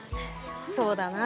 そうだな。